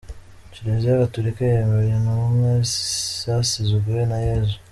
Kiliziya Gatolika yemera intumwa zasizwe na Yezu.